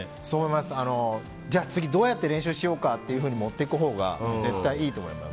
じゃあ、次、どうやって練習しようかって持っていくほうが絶対いいと思います。